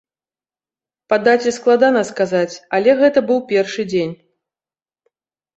Па даце складана сказаць, але гэта быў першы дзень.